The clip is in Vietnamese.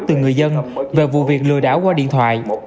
từ người dân về vụ việc lừa đảo qua điện thoại